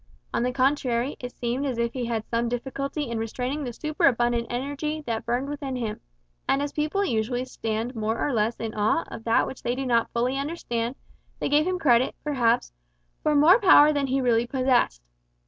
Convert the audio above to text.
On the contrary, it seemed as if he had some difficulty in restraining the superabundant energy that burned within him; and as people usually stand more or less in awe of that which they do not fully understand, they gave him credit, perhaps, for more power than he really possessed.